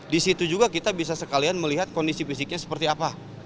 di situ juga kita bisa sekalian melihat kondisi fisiknya seperti apa